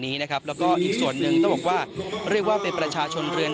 นี้นะครับแล้วก็อีกส่วนหนึ่งต้องบอกว่าเรียกว่าเป็นประชาชนเรือน